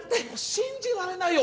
信じられないよ！